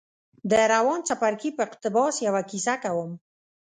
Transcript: له روان څپرکي په اقتباس يوه کيسه کوم.